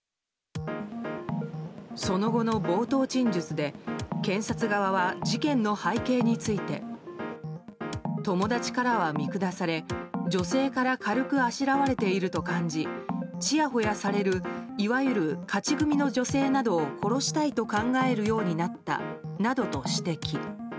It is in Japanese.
その後の冒頭陳述で検察側は事件の背景について友達からは見下され、女性から軽くあしらわれていると感じちやほやされるいわゆる勝ち組の女性などを殺したいと考えるようになったなどと指摘。